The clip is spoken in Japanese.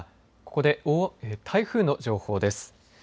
ここで台風の情報です。